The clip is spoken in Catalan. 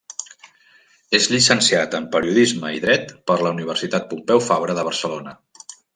És llicenciat en periodisme i dret per la Universitat Pompeu Fabra de Barcelona.